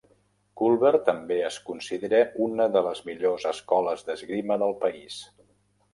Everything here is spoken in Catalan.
Culver també es considera una de les millors escoles d'esgrima del país.